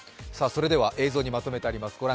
それでは映像にまとめてあります。